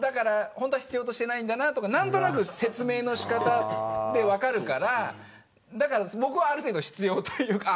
本当に必要としていないんだなというのが何となく説明の仕方で分かるから僕はある程度必要というか。